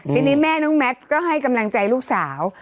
ทีนี้แม่น้องแมทก็ให้กำลังใจลูกสาว